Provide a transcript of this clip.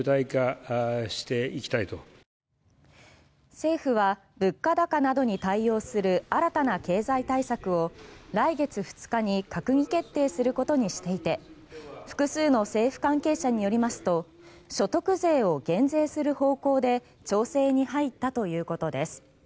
政府は物価高などに対応する新たな経済対策を来月２日に閣議決定することにしていて複数の政府関係者によりますと所得税を減税する方向で調整に入ったということです。